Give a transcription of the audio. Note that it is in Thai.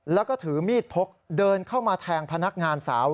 แล้วก็ถือมีดพกเดินเข้ามาแทงพนักงานสาว